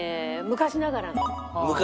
昔ながらの。